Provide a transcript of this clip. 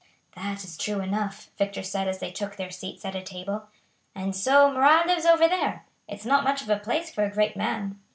"That is true enough," Victor said as they took their seats at a table. "And so Marat lives over there; it's not much of a place for a great man."